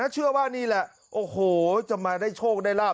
เชื่อว่านี่แหละโอ้โหจะมาได้โชคได้ลาบ